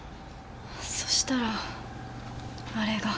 そしたらあれが。